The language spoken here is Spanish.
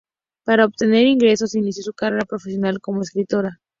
Para obtener ingresos inició su carrera profesional como escritora.